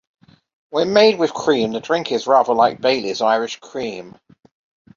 When made with cream the drink is rather like Baileys Irish Cream.